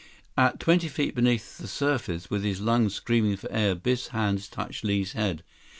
At twenty feet beneath the surface, with his lungs screaming for air, Biff's hands touched Li's head.